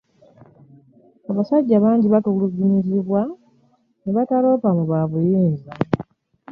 Abasajja bangi batulugunyizibwa ne bataloopa mu ba buyinza.